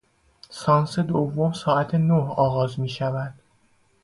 سانس دوم ساعت نه آغاز میشود.